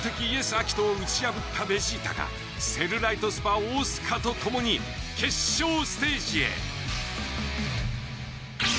アキトを打ち破ったベジータがセルライトスパ大須賀と共に決勝ステージへ。